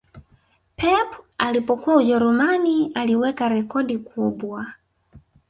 pep alipokuwa ujerumani aliwekea rekodi kubwa